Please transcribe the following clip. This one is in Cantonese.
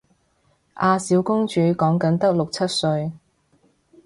阿小公主講緊得六七歲